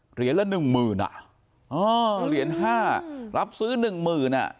เหรียญละ๑๐๐๐๐อ่ะเหรียญ๕รับซื้อ๑๐๐๐๐อ่ะ